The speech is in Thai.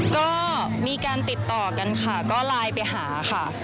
ก็มีการติดต่อกันค่ะก็ไลน์ไปหาค่ะ